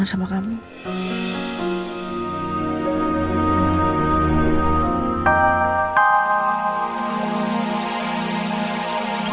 aku juga pengen pic hearts